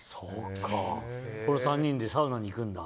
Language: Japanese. この３人でサウナに行くんだ。